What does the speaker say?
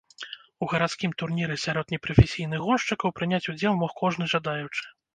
У гарадскім турніры сярод непрафесійных гоншчыкаў прыняць удзел мог кожны жадаючы.